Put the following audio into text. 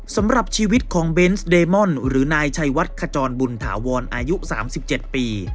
สำหรับชีวิตของเบนส์เดมอนหรือนายชัยวัดขจรบุญถาวรอายุ๓๗ปี